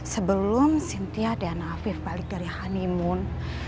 sebelum sintia dan afif balik dari honeymoon